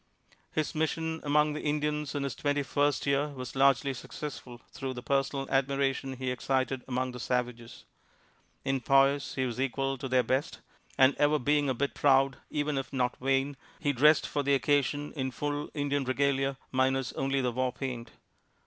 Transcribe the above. His mission among the Indians in his twenty first year was largely successful through the personal admiration he excited among the savages. In poise, he was equal to their best, and ever being a bit proud, even if not vain, he dressed for the occasion in full Indian regalia, minus only the war paint.